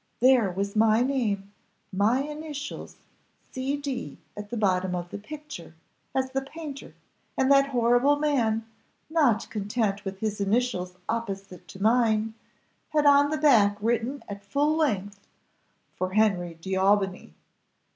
There was my name my initials C. D. at the bottom of the picture, as the painter; and that horrible man, not content with his initials opposite to mine, had on the back written at full length, 'For Henry D'Aubigny.